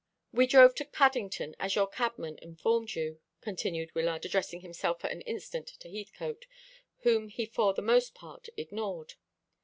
"We drove together to Paddington as your cabman informed you," continued Wyllard, addressing himself for an instant to Heathcote, whom he for the most part ignored.